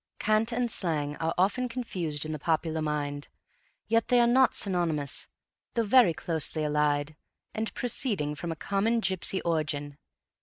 Cant and slang are often confused in the popular mind, yet they are not synonymous, though very closely allied, and proceeding from a common Gypsy origin.